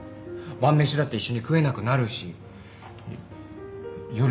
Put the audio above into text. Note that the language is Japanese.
晩飯だって一緒に食えなくなるしよ